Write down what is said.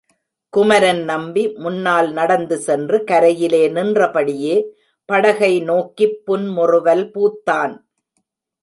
குமரன் நம்பி முன்னால் நடந்து சென்று கரையில் நின்ற படியே படகை நோக்கிப் புன்முறுவல் பூத்தான்.